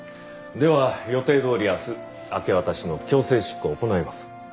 では予定どおり明日明け渡しの強制執行を行います。